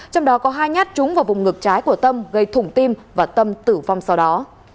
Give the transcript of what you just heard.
trong đó có hai nhát trúng vào vùng ngực trái của tâm gây thủng tim và tâm tử vong sau đó